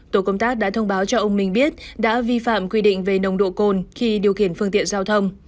tổ công tác đã thông báo cho ông minh biết đã vi phạm quy định về nồng độ cồn khi điều khiển phương tiện giao thông